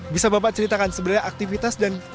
bisa bapak ceritakan sebenarnya aktivitas dan